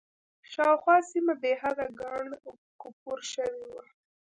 شاوخوا سیمه بېحده کنډ و کپر شوې وه.